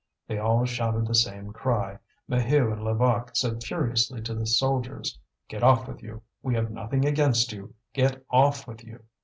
They all shouted the same cry. Maheu and Levaque said furiously to the soldiers: "Get off with you! We have nothing against you! Get off with you!"